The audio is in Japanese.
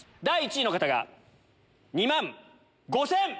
第１位の方が２万５千。